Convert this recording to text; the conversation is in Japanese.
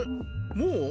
もう？